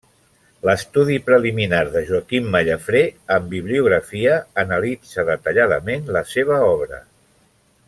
L'estudi preliminar de Joaquim Mallafrè, amb bibliografia, analitza detalladament la seva obra.